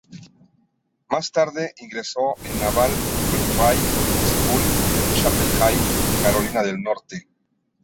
Más tarde ingresó en Naval Pre-Flight School en Chapel Hill, Carolina del Norte.